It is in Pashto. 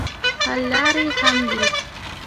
حل لارې هم وي.